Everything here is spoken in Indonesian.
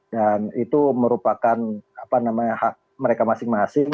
itu merupakan hak mereka masing masing